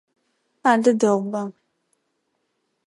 Адэ дэгъуба.